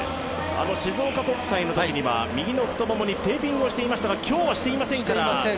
静岡国際のときには右の太ももにテーピングをしていましたが今日はしていませんか。